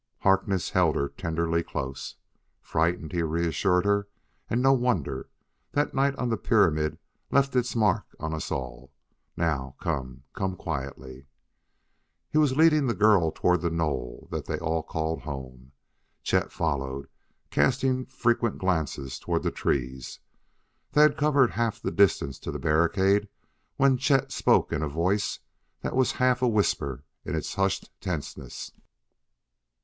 Harkness held her tenderly close. "Frightened," he reassured her, "and no wonder! That night on the pyramid left its mark on us all. Now, come; come quietly." He was leading the girl toward the knoll that they all called home. Chet followed, casting frequent glances toward the trees. They had covered half the distance to the barricade when Chet spoke in a voice that was half a whisper in its hushed tenseness.